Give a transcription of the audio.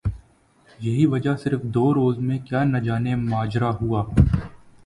یہی وجہ صرف دو روز میں کیا نجانے ماجرہ ہوا